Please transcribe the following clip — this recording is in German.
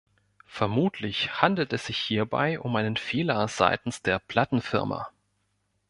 Vermutlich handelt es sich hierbei um einen Fehler seitens der Plattenfirma.